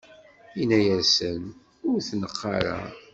inna-asen: Ur t-neqq ara!